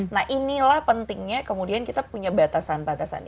nah inilah pentingnya kemudian kita punya batasan batasan